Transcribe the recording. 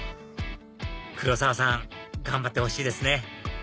黒澤さん頑張ってほしいですね